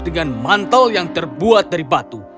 dengan mantel yang terbuat dari batu